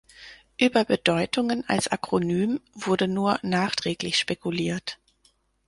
Über Bedeutungen als Akronym wurde nur nachträglich spekuliert.